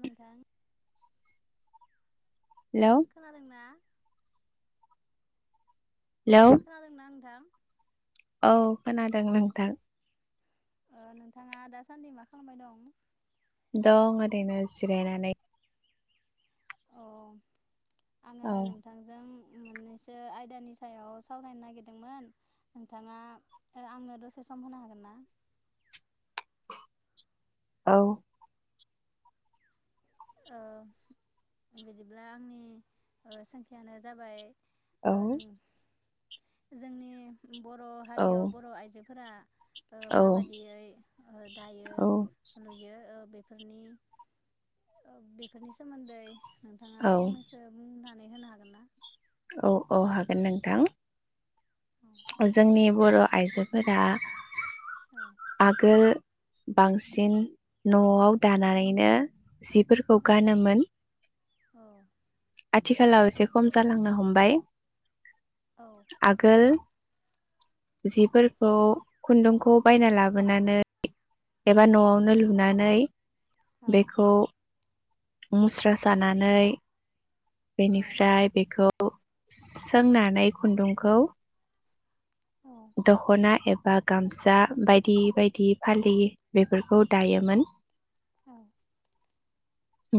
नोंथां। हेलौ खोनादोंना? हेलौ खोनादोंना नोंथां? औ खोनादों नोंथां। ओ नोंथाङा दासान्दि मा खालामबाय दं? दं ओरैनो जिरायनानै। अ' आङो औ नोंथांजों मोननैसो आयदानि सायाव सावरायनो नागिरदोंमोन, नोंथाङा आंनो दसे सम होनो हागोन ना? औ ओ बिदिब्ला आंनि ओ सोंथियानो जाबाय औ ओ नों जोंनि बर' औ हारियाव बर' आइजो फोरा ओ औ माबादियै दायो औ लुयो ओ बेफोरनि ओ बेफोरनि सोमोन्दै नोंथाङा औ फंनैसो बुंना नै होनो हागोन ना? औ औ हागोन नोंथां। औ जोंनि बर' आइजोफोरा आगोल बांसिन न'आव दानानैनो जिफोरखौ गानोमोन। औ। आथिखालाव एसे खम जालांनो हमबाय। आगोल जिफोरखौ खुन्दुंखौ बायना लाबोनानै एबा न'आवनो लुनानै बेखौ मुस्रा सानानै। बेनिफ्राय बेखौ अ सोंनानै खुन्दुंखौ दखना एबा गामसा बायदि बायदि फालि बेफोरखौ दायोमोन। औ।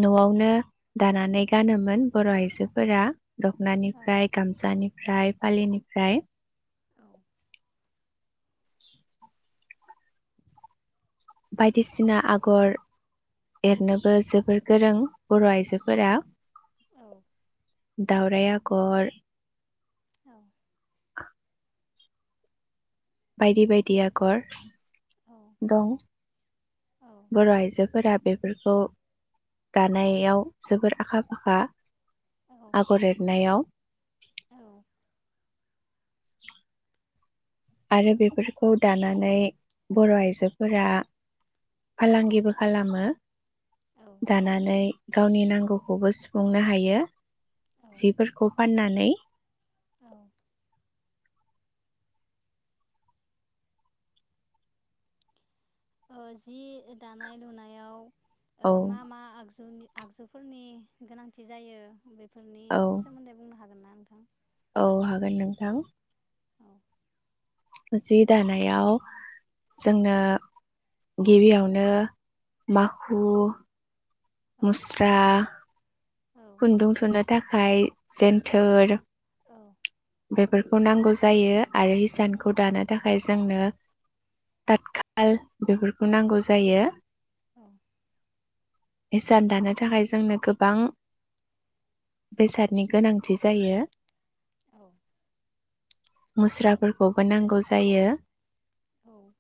न'आवनो दानानै गानोमोन बर' आइजोफोरा दखनानिफ्राय गामसानि फ्राय फालिनिफ्राय बायदिसिना आगर एरनोबो जोबोर गोरों बर' आइजोफोरा। औ। दावराय आगर औ बायदि बायदि आगर। दं बर' आइजोफोरा बे बेफोरखौ दानायाव जोबोर आखा फाखा। आगर एरनायाव। [unintelligible] आरो बेफोरखौ दानानै बर' आइज जोफोरा फालांगिबो खालामो। दानानै गावनि नां गौखौबो सुफुंनो हायो। जिफोरखौ फाननानै। औ। ओ जि दानाय लुनायाव औ ओ मा मा आगजुनि आगजुफोरनि गोनांथि जायो बे फोरनि औ सोमोन्दै बुंनो हागोन ना? नोंथां अ हागोन नोंथां। औ जि दानायाव औ जोंनो गिबियावनो माखु, औ मुस्रा, औ खुन्दुं थुननो थाखाय जेनथोर, औ बेफोरखौ नांगौ जायो आरो हिसानखौ दानो थाखाय जोंनो तातखाल बेफोरखौ नांगौ जायो। औ। इसान दानो थाखाय जोंनो गोबां बेसादनि गोनांथि जायो। औ मुस्राफोरखौबो नांगौ जायो, औ।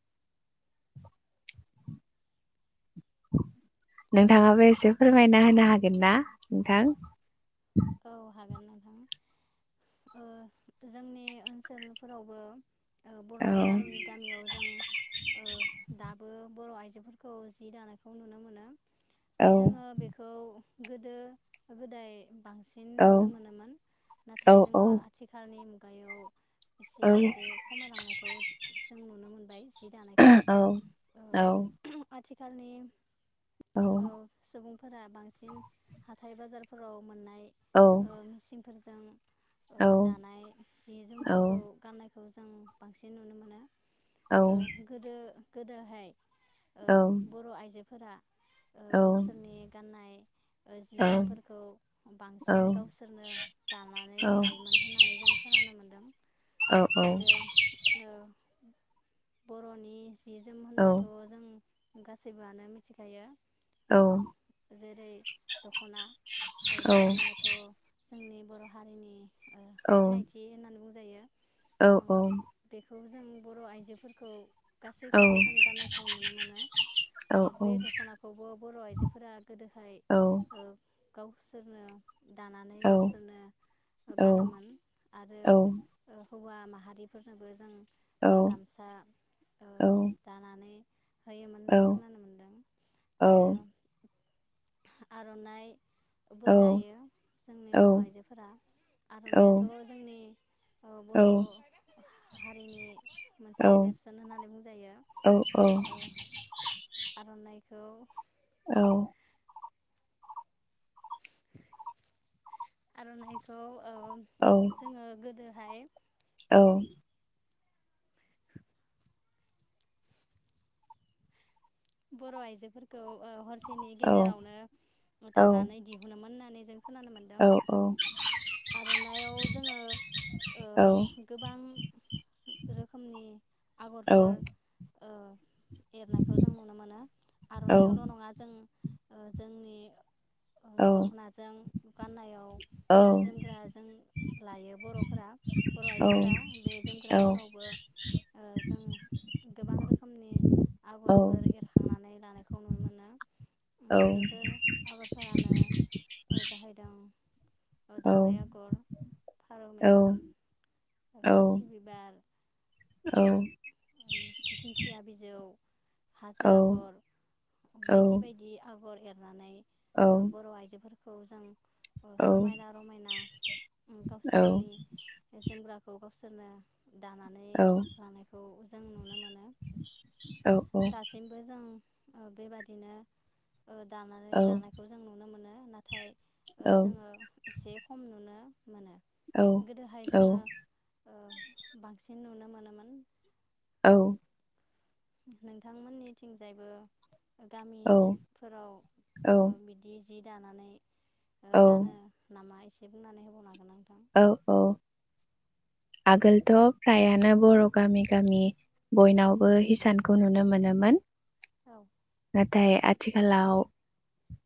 नोंथाङाबो एसे फोरमायना होनो हागोन ना नोंथां? औ हागोन नोंथां। ओ जोंनि ओनसोलफोरावबो, ओ बर' गामि गामियाव जों ओ दाबो बर' आइ आइजो फोरखौ जि दानायखौ नुनो मोनो। औ जोङो बेखौ गोदो गोदाय, बांसिन औ नुनो मोनोमोन। औ नाथाय औ जोङो आथिखालनि मुगायाव एसे एसे खमायलांनायखौ जों नुनो मोनबाय जि दानायखौ। औ औ आथिखालनि औ सुबुंफोरा बांसिन हा हाथाइ बाजारफोराव मोननाय औ। फोरजों ओ औ दानाय जि औ जोमफोरखौ गाननाय खौ जों बांसिन नुनो मोनो। ओ गोदो गोदोहाय ओ बर' आइजो फोरा ओ गावसोरनि गाननाय ओ जि जोमफोरखौ बांसिन गावसोरनो दानानै लायोमोन होननानै जों खोनानो मोनदों आरो ओ बर'नि जि जोम होनबाथ जों गासैबोआनो मिथिखायो। ओ जेरै दख'ना दख'नायाथ जोंनि बर' हारिनि सिनायथि होननानै बु जायो। ओ बे खौ जों बर' आइजोफोरखौ गासैखौबो जों गाननायखौ नुनो मोनो ओ बे दख'नाखौबो बर' आइजोफोरा गोदोहाय ओ बिसोरनो दानानै गावसोरनो गानोमोन आरो ओ हौवा माहारिफोरनोबो जों ओ गामसा ओ दानानै होयोमोन होननानै खोनानो मोनदों आरो आरनाय। बो दायो जोंनि बर' आइजोफोरा आरनाइाथ' जोंनि औ बर' हारिनि मोनसे नेरसोन होननानै बुंजायो ओ। आरनाइखौ औ। आरनायखौ ओम औ जोङो गोदो हाय औ। बर' आइजोफोर खौ ओ हरसेनि गेजेरावनो दानानै दिहुनोमोन नैजों खोनानो मोनदों आरनायाव जोंङो ओ गोबां रोखोमनि आगरफोर ओ एरनायखौ जों नुनो मोनो आरनायावल नङा जों ओ जोंनि ओं दख'नाजों गाननायाव जोमग्रा जों लायो बर'फोरा बर' आइजोफोरा बे जोमग्राफोरावबो ओ जों गोबां रोखोमनि औ बेखांनानै लानायखौ नुनो मोनो। औ बेफोर जाहैदों दं ओ दावराइ आगर, फारौ मेगन, खासि बिबार, दिंखिया बिजौ हाजो आगर बायदि बायदि आगर एर लानाय ओ बर' आइजोफोर खौ जों ओ समायना रमायना उम औ गावसोरनि जोमग्राखौ गाव सोरनो दानानै लांनायखौ जों नुनो मोन औ दासिमबो जों ओ बेबादिनो ओ दानानै लानायखौ जों नुनो मोनो नाथाय ओ जोङो एसे खम नुनो मोनो औ गोदोहाय औ जोङो ओ बांसिन नुनो मोनोमोन। औ नोंथांमोननिथिंजायबो गामिफोराव ओ बिदि जि दानानै ओ गानो नामा एस दे बुंनानै होबावनो हागोन आं औ औ आगोलथ' फ्रायानो बर' गामि गामि बयनावबो हिसानखौ नुनो मोनोमोन। औ नाथाय आथिखालाव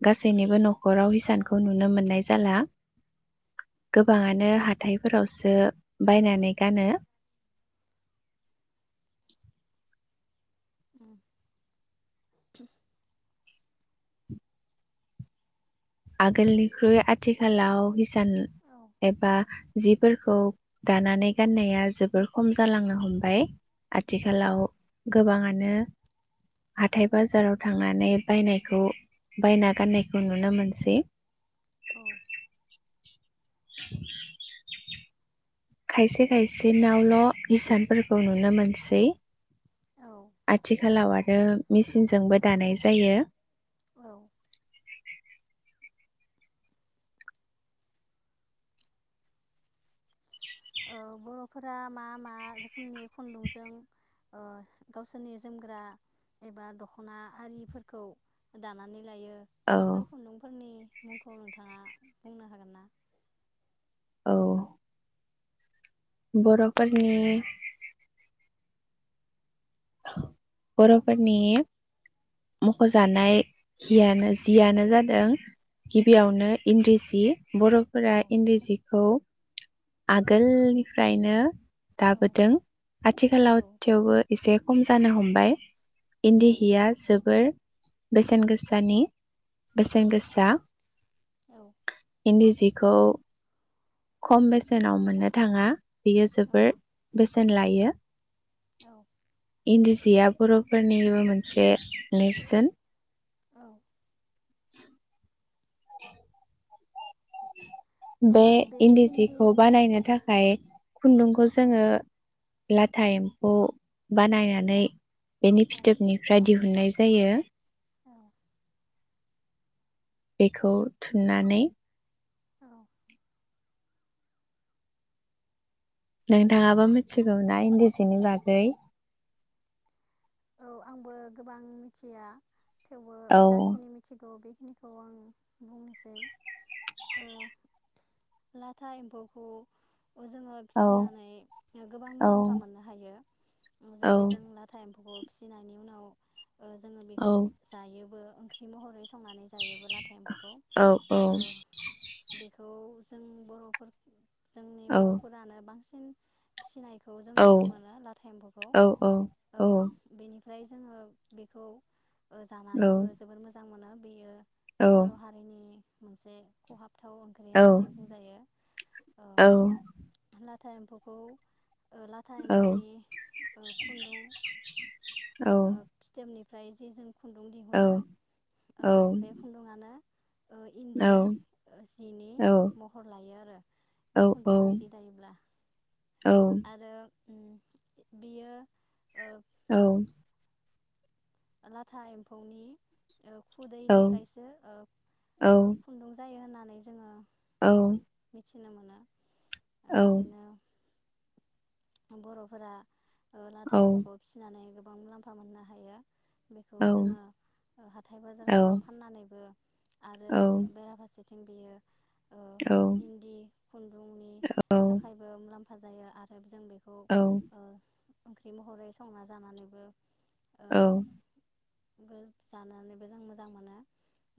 गासैनिबो न'खराव हिसानखौ नुनो मोननाय जाला गोब बाङानो हाथायफोरावसो बायनानै गानो। उम आगोलनिख्रुय आथिखालाव हिस सान औ एबा जिफोरखौ दानानै गाननाया जोबोर खम जालांनो हमबाय। औ आथिखालाव गोबाङा नो हाथाय बाजाराव थांनानै बायनायखौ बायना गाननायखौ नुनो मोन सै औ खायसे खायसे नावल' इसानफोरखौ नुनो मोनसै औ आथिखालाव आ रो मिसिनजोंबो दानाय जायो। औ अ बर'फोरा मा मा रोखोमनि खुन्दुंजों अ गावसोरनि जोमग्रा एबा दख'ना आरिफोरखौ दानानै लायो औ बेैफोर खुन्दुंफोरनि मुंखौ नोंथाङा बुंनो हागोन ना? औ बर'फोरनि बर'फोरनि औ मख'जानाय हियानो जियानो जादों औ गिबियावनो इन्दि जि औ बर'फोरा इन्दिजिखौ आगोलनिफ्रायनो औ दाबोदों औ आथिखालाव थेवबो एसे खम जानो हमबाय औ इन्दिहिया जोबोर बेसेन गोसानि औ बेसेन गोसा औ इन्दि जिखौ खम बेसेनाव मोननो थाङा बेयो औ जोबोर बे सेन लायो औ इन्दि जिया बर'फोरनिबो मोनसे नेर्सोन औ बे इन्दि जिखौ बानायनो थाखाय खुन्दुंखौ औ जोङो लाथा एम्फौ बानायनानै बेनि औ फिथोबनिफ्राय दिहुननाय जायो। औ बेखौ थुननानै औ नोंथाङाबो मिथिगौना इन्दि जिनि बागै? औ आंबो गोबां मिथिया। थेवबो औ जाखिनि मिथिगौ बे बिखौ आं बुंनोसै ओ लाथा एम्फौखौ जोङो औ फिसिनानै गोबां औ मुलाम्फा मोननो हायो औ जेरै जों लाथा एम्फौ ख' फिसिनायनि उनाव जोङो औ बेखौ जायोबो ओंख्रि महरै संनानै जायोब्लाथाय एम्फौखौ औ औ बेखौ जों बर'फोर जोंनि औ बर'फोरानो बांसिन फिसिनाय औ औ औ ओ औ बेनिफ्राय जोङो बेखौ ओ औ जानानैबो जोबोर मोजां मोनो। बेयो बर' हारिनि मोनसे खहाब गोाबथाव ओंख्रि औ होननानै बुंजायो। औ थाइ एम्फौखौ ओ लाथा औ एम्फौनि ओ खुन्दुं ओ फिथोबनि ओमफ्राय जे जों खुन्दुं दिहुनो ओ बे खुन्दुआनो इन्दि जिनि महर लायो आरो बे औ खुथुंजों जि दायोब्ला आरो ओम बियो ओ औ लाथा एम्फौनि औ खुदैनिफ्रायसो औ औ खुन्दुं जायो होननानै नै जोङो औ मिथिनो मोनो। आरो बिदिनो बरफोरा लाथा एम्फखौ फिसिनानै गोबां मुलाम्फा मोननो हायो बेखौ जोङो हाथाय औ बाजारफोराव फाननानैबो आरो औ बेराफारसे बिथिं बियो ओ इन्दि औ खुन्दुंनि थाखायबो औ मुलाम्फा जायो आरो जों बेखौ औ ओ ओंख्रि महरै संना जानानैबो औ गो जानानैबो जों मोजां मोनो।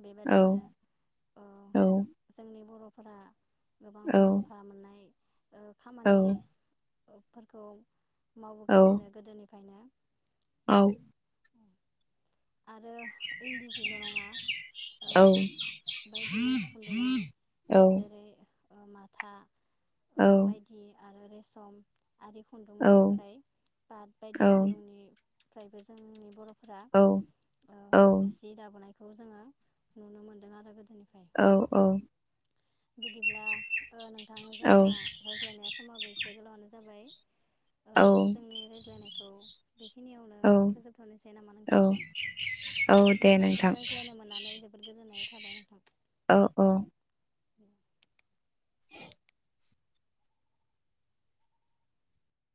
बेबादिनो ओ औ जोंनि बरफ फोरा गोबां मुलाम्फा मोननाय ओ औ खामानि फोरखौ मावबोगासिनो गोदोनिफ्रायनो। औ आरो इन्दि जिल'नङा ओ बायदि खुन्दुंनि जेरै ओ माथा ओ औ बायदि आरो रे सम आरि खुन्दुंनिफ्राय बाट बायदि खुन्दुंनि फ्रायबो जोंनि बरफोरा ओ सिदाबोनाय खौ जोङो नुनो मोनदों आरो गोद औ औ बिदिब्ला ओ नोंथां जोंना रायज्लायनाया समाबो एस से गोलावानो जाबाय ओ औ जोंनि रायज्लायनाय खौ बेखिनियावनो फोजोबथ'नोसै नामा औ नोंथां औ दे नोंथांजों नोंथां रायज्लायनो मोननानै जोबोद गोजोननाय थाबाय नोंथां। औ औ [inaudible] [inaudible]